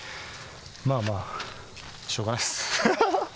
まあまあしょうがないです。